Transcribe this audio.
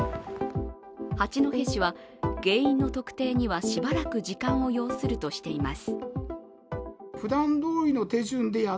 八戸市は原因の特定にはしばらく時間を要するとしています。